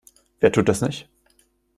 Wer tut das nicht?